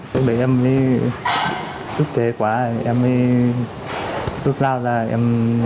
thế bây giờ em mới rút thế quá em mới rút rao ra em